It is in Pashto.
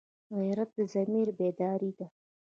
غیرت د ضمیر بیداري ده